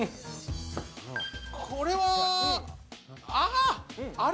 これはああ！